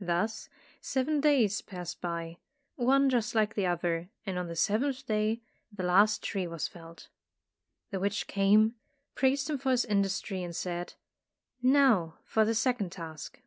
Thus seven days passed by, one just like the other, and on the seventh day the last tree was felled. The witch came, praised him for his industry and said, "Now for the second task."